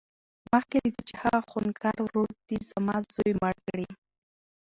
مخکې له دې چې هغه خونکار ورور دې زما زوى مړ کړي.